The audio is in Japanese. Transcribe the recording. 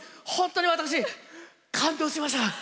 ホントに私感動しました。